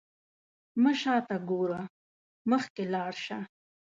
مه شاته ګوره، مخکې لاړ شه.